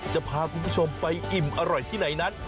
จะพาคุณผู้ชมไปอิ่มอร่อยที่ไหนนั้น